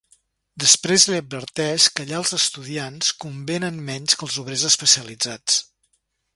Després li adverteix que allà els estudiants convenen menys que els obrers especialitzats.